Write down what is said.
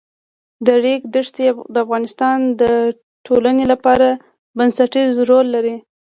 د ریګ دښتې د افغانستان د ټولنې لپاره بنسټيز رول لري.